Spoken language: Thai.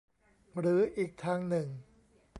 หรืออีกทางหนึ่ง